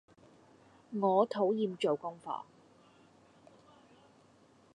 我討厭做功課